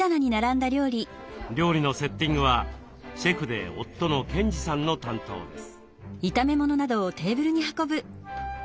料理のセッティングはシェフで夫の賢治さんの担当です。